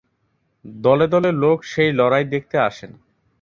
দলে দলে লোক সেই লড়াই দেখতে আসেন।